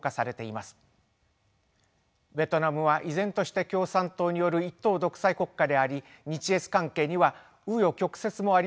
ベトナムは依然として共産党による一党独裁国家であり日越関係にはう余曲折もありました。